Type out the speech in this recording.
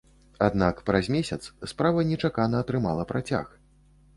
Аднак праз месяц справа нечакана атрымала працяг.